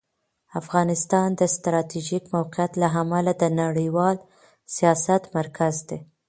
افغانستان د ستراتیژیک موقعیت له امله د نړیوال سیاست مرکز دی.